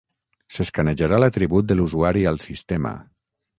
S'escanejarà l'atribut de l'usuari al sistema.